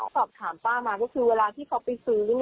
สอบถามป้ามาก็คือเวลาที่เขาไปซื้อ